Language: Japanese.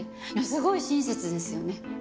すごい親切ですよね。